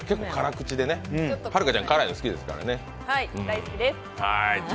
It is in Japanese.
はるかちゃん、辛いの好きですからね。